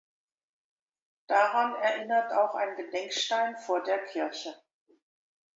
Daran erinnert auch ein Gedenkstein vor der Kirche.